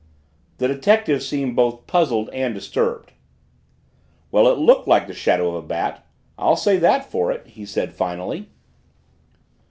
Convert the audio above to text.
The detective seemed both puzzled and disturbed. "Well, it looked like the shadow of a bat. I'll say that for it," he said finally.